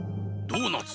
ドーナツ。